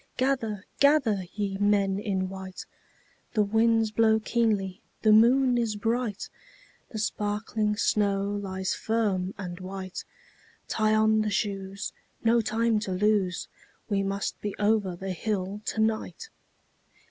Gather, gather, ye men in white; The winds blow keenly, the moon is bright, The sparkling snow lies firm and white; Tie on the shoes, no time to lose, We must be over the hill to night.